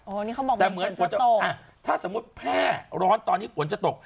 โอ้นี่เขาบอกมันจะตกอ่าถ้าสมมุติแพร่ร้อนตอนนี้ฝนจะตก